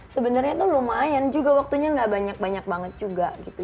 sebenarnya tuh lumayan juga waktunya gak banyak banyak banget juga gitu